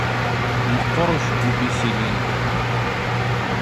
Meqqeṛ ucebbub-is ilindi.